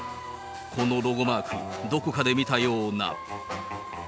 このロゴマーク、どこかで見たような。